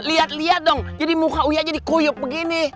liat liat dong jadi muka uya jadi kuyuk begini